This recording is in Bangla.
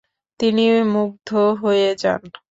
তিনি মুগ্ধ হয়ে যান।